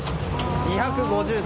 ２５０度。